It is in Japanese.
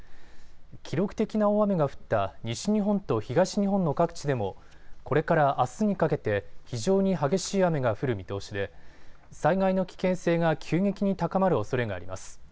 記録的な大雨が降った西日本と東日本の各地でもこれからあすにかけて非常に激しい雨が降る見通しで災害の危険性が急激に高まるおそれがあります。